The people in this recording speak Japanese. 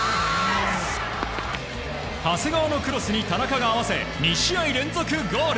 長谷川のクロスに田中が合わせ２試合連続ゴール。